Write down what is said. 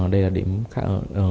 đây là điểm khác